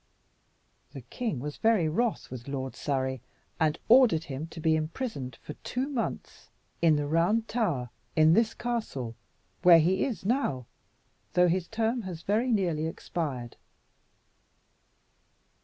The king was very wroth with Lord Surrey, and ordered him to be imprisoned for two months in the Round Tower, in this castle, where he is now, though his term has very nearly expired."